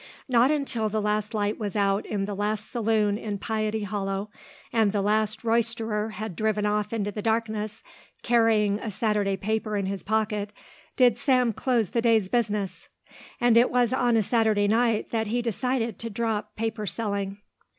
Not until the last light was out in the last saloon in Piety Hollow, and the last roisterer had driven off into the darkness carrying a Saturday paper in his pocket, did Sam close the day's business. And it was on a Saturday night that he decided to drop paper selling.